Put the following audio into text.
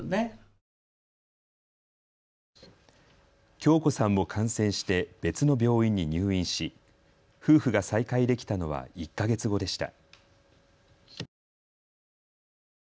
京子さんも感染して別の病院に入院し夫婦が再会できたのは１か月後でした。